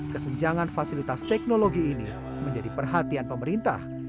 kesenjangan fasilitas teknologi ini menjadi perhatian pemerintah